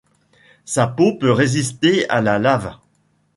Sa peau peut résister à la lave.